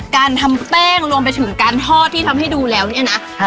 การทำแป้งรวมไปถึงการทอดที่ทำให้ดูแล้วเนี่ยนะ